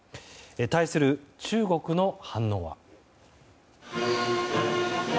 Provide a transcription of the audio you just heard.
対する中国の反応は。